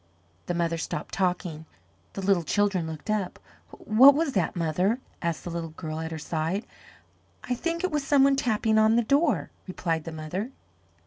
The mother stopped talking, the little children looked up. "What was that, mother?" asked the little girl at her side. "I think it was some one tapping on the door," replied the mother.